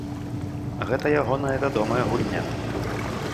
Гэта ягоная вядомая гульня.